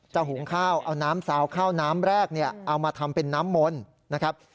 หุงข้าวเอาน้ำซาวข้าวน้ำแรกเนี่ยเอามาทำเป็นน้ำมนต์นะครับ